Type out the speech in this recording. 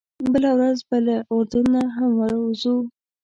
بله ورځ به له اردن نه هم ووځو.